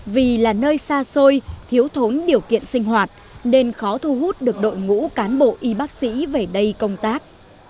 vì là nơi xa xôi thiếu thốn điều kiện sinh hoạt nên khó thu hút được đội ngũ cán bộ y bác sĩ về đây công tác